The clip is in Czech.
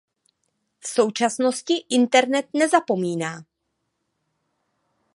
V současnosti internet nezapomíná.